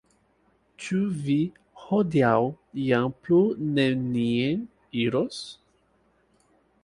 Ĉu vi hodiaŭ jam plu nenien iros?